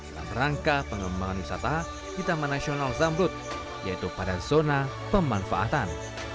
dalam rangka pengembangan wisata di taman nasional zamrut yaitu pada zona pemanfaatan